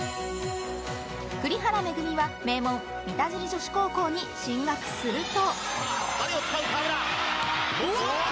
栗原恵は名門・三田尻女子高校に進学すると。